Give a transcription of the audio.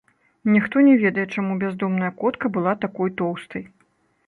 Ніхто не ведае, чаму бяздомная котка была такой тоўстай.